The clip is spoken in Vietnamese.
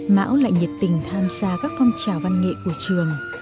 mão lại nhiệt tình tham gia các phong trào văn nghệ của trường